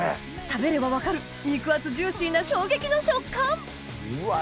食べれば分かる肉厚ジューシーな衝撃の食感うわ